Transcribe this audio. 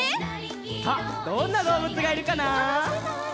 さあどんなどうぶつがいるかな？